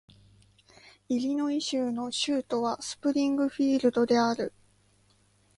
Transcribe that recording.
イリノイ州の州都はスプリングフィールドである